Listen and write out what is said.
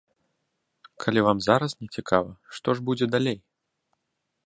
Калі вам зараз не цікава, што ж будзе далей?